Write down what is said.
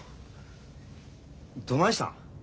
どないしたん？